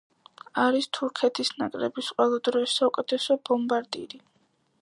არის თურქეთის ნაკრების ყველა დროის საუკეთესო ბომბარდირი.